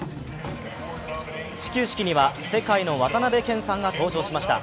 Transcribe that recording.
始球式には、世界の渡辺謙さんが登場しました。